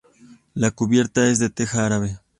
La cubierta es de teja árabe.